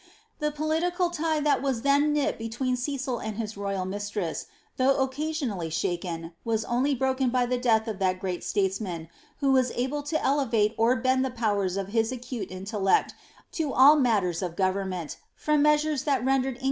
The political tie that was then knit between Cecil and his royal mistress, though occasionally shaken, was only broken by the death of that great statesman, who was able to elevate or bend the powers of his acute in tellect to all matters of government, from mea:«ures that rendered £ng ' Strype ; Camden.